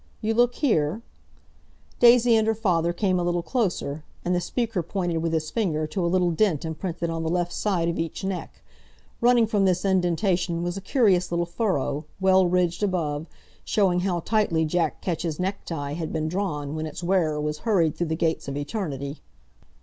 You look here—?" Daisy and her father came a little closer, and the speaker pointed with his finger to a little dent imprinted on the left side of each neck; running from this indentation was a curious little furrow, well ridged above, showing how tightly Jack Ketch's necktie had been drawn when its wearer was hurried through the gates of eternity.